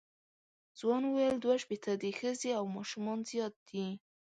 ځوان وویل دوه شپېته دي ښځې او ماشومان زیات دي.